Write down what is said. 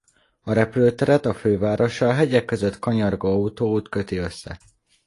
A repülőteret a fővárossal hegyek között kanyargó autóút köti össze.